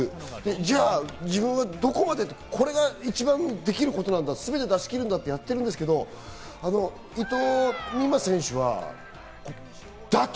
じゃあ自分はどこまで、これが一番できることなんだ、全て出しきるんだ！とやってるんですけど、伊藤美誠選手は、打倒